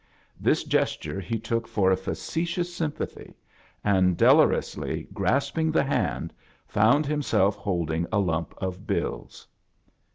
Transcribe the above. This gesture he took for a facetious sympathy, and, dolorously grasping the hand, found himself holding a lump of bills.